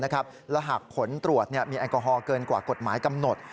และหากผลตรวจมีแอลกอฮอลเกินกว่ากฎหมายกำหนด